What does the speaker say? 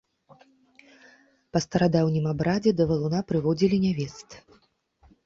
Па старадаўнім абрадзе да валуна прыводзілі нявест.